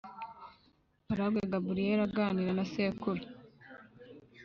Paragwe Gabriel aganira na sekuru